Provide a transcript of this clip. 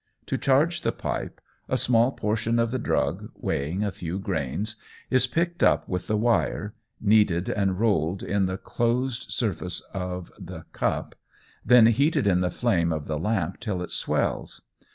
To charge the pipe, a small portion of the drug (weighing a few grains) is picked up with the wire, kneaded and rolled in the closed surface of the cup, then heated in the flame of the lamp till it swells.